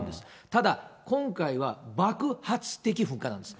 ただ、今回は爆発的噴火なんです。